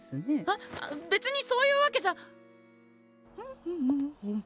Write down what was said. あっ別にそういうわけじゃ。